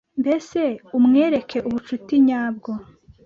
mbese umwereke ubucuti nyabwo.